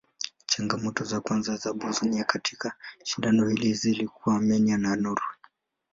Changamoto za kwanza za Bosnia katika shindano hili zilikuwa Armenia na Norway.